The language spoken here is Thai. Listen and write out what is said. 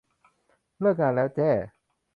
เลิกงานแล้วแจ้